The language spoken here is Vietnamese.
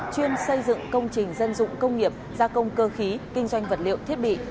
chuyên xây dựng công trình dân dụng công nghiệp gia công cơ khí kinh doanh vật liệu thiết bị